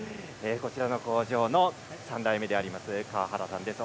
こちらの工場の３代目川原さんです。